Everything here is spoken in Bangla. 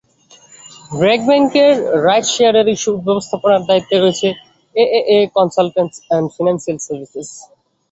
ব্র্যাক ব্যাংকের রাইট শেয়ারেরও ইস্যু ব্যবস্থাপনার দায়িত্বে রয়েছে AAA consultants and financial services.